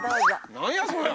何やそれ。